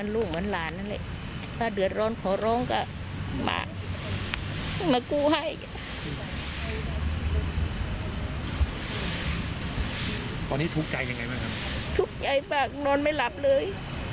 ทุกข์ใจป่ะนอนไม่หลับเลย